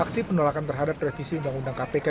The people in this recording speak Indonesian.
aksi penolakan terhadap revisi undang undang kpk